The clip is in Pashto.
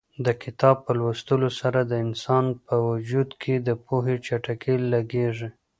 د کتاب په لوستلو سره د انسان په وجود کې د پوهې جټکې لګېږي.